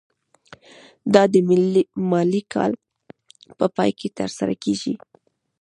دا د مالي کال په پای کې ترسره کیږي.